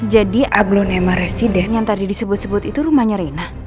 jadi aglonema residence yang tadi disebut sebut itu rumahnya reina